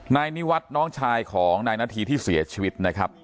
นายนิวัฒน์น้องชายของนายนาธีที่เสียชีวิตนะครับ